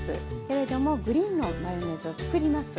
けれどもグリーンのマヨネーズを作ります。